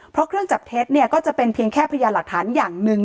เพราะเครื่องจับเท็จเนี่ยก็จะเป็นเพียงแค่พยานหลักฐานอย่างหนึ่ง